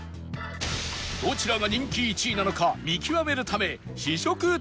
どちらが人気１位なのか見極めるため試食タイム